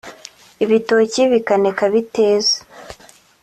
ibitoki bikaneka biteze